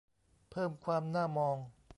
เพิ่มความน่ามอง